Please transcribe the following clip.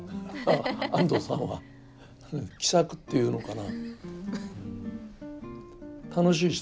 安藤さんは気さくっていうのかな？